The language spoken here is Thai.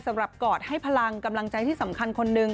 กอดให้พลังกำลังใจที่สำคัญคนหนึ่ง